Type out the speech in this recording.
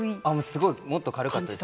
すごいもっと軽かったです。